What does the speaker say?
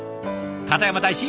片山大使